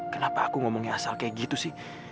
kenapa aku ngomongin asal kayak gitu sih